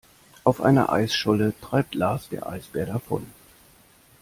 Auf einer Eisscholle treibt Lars der Eisbär davon.